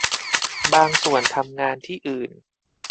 บางส่วนทำงานที่อื่น